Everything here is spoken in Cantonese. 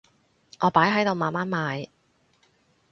我擺喺度慢慢賣